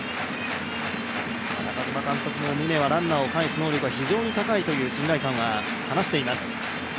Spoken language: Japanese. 中嶋監督も宗はランナーを帰す能力が高いと信頼感を話しています。